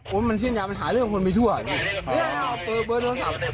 ผมมันเชี่ยงอย่างปัญหาเรื่องคนไปทั่วเปิดโทรศัพท์